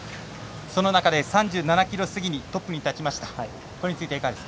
その中で３７ｋｍ過ぎにトップに立ちました。